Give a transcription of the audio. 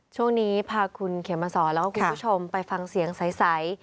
ช่วงนี้พาคุณเขมสอนแล้วก็คุณผู้ชมไปฟังเสียงใส